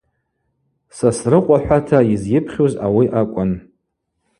Сосрыкъвахӏвата йызйыпхьуз ауи акӏвын.